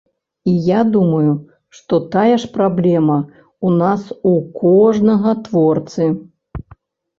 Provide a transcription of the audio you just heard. І я думаю, што тая ж праблема ў нас у кожнага творцы.